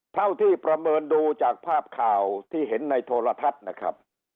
เท่าที่ประเมินดูจากภาพข่าวที่เห็นในโทรทัศน์นะครับ